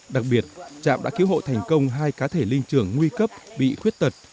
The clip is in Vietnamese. đặc biệt trạm đã cứu hộ thành công hai cá thể linh trưởng nguy cấp bị khuyết tật